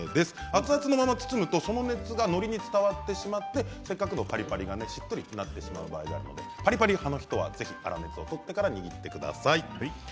熱々のまま包むとその熱がのりに伝わりせっかくのパリパリが、しっとりになってしまう時があるのでパリパリ派の人は粗熱を取ってからにしてください。